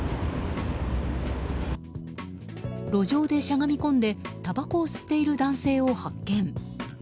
路上でしゃがみ込んでたばこを吸っている男性を発見。